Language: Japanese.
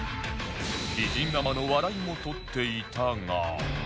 美人ママの笑いも取っていたが